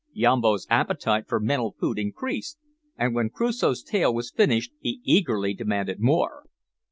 Yambo's appetite for mental food increased, and when Crusoe's tale was finished he eagerly demanded more.